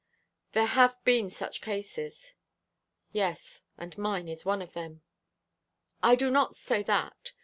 "There have been such cases." "Yes, and mine is one of them." "I do not say that.